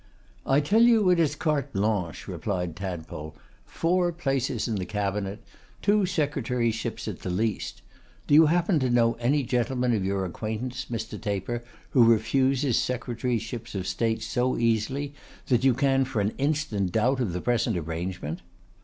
'I tell you it is "carte blanche,"' replied Tadpole. 'Four places in the cabinet. Two secretaryships at the least. Do you happen to know any gentleman of your acquaintance, Mr. Taper, who refuses Secretaryships of State so easily, that you can for an instant doubt of the present arrangement?